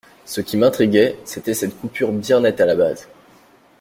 Ce qui m’intriguait, c’était cette coupure bien nette à la base.